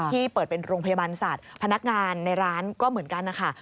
ที่เปิดเป็นโรงพยาบาลสัตว์พนักงานในร้านก็เหมือนกันนะคะ